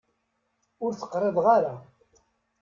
Ur t-qriḍeɣ ara.